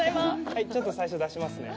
はい、ちょっと最初出しますね。